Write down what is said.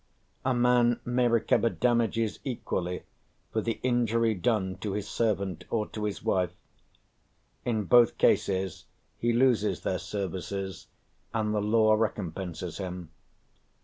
A man may recover damages equally for the injury done to his servant or to his wife; in both cases he loses their services, and the law recompenses him.